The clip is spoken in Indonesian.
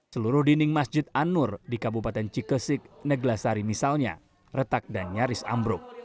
seluruh dinding masjid anur di kabupaten cikesik neglasari misalnya retak dan nyaris ambruk